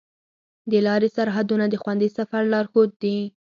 د لارې سرحدونه د خوندي سفر لارښود دي.